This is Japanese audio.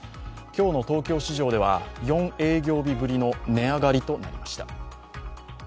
今日の東京市場では４営業日ぶりの値上がりとなりました。